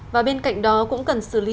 và bên cạnh đó cũng cần xử lý